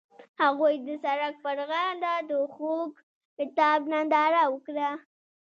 هغوی د سړک پر غاړه د خوږ کتاب ننداره وکړه.